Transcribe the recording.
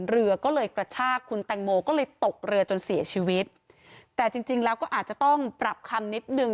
เรือก็เลยกระชากคุณแตงโมก็เลยตกเรือจนเสียชีวิตแต่จริงจริงแล้วก็อาจจะต้องปรับคำนิดนึง